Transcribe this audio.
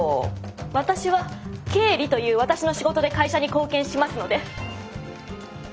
私は経理という私の仕事で会社に貢献しますので。